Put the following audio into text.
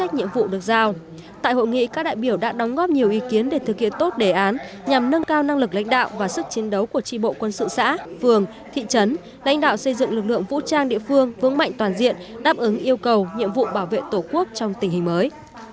tại hội nghị các đại biểu đã đóng góp nhiều ý kiến để thực hiện tốt đề án nhằm nâng cao năng lực lãnh đạo và sức chiến đấu của tri bộ quân sự xã phường thị trấn lãnh đạo xây dựng lực lượng vũ trang địa phương vững mạnh toàn diện đáp ứng yêu cầu nhiệm vụ bảo vệ tổ quốc trong tình hình mới